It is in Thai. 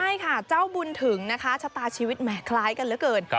ใช่ค่ะเจ้าบุญถึงนะคะชะตาชีวิตแหมคล้ายกันเหลือเกิน